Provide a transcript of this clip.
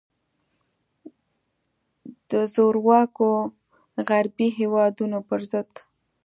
د زورواکو غربي هیوادونو پر ضد.